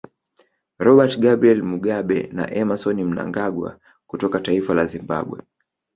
Robert Gabriel Mugabe na Emmasoni Mnangagwa kutoka Taifa la Zimbabwe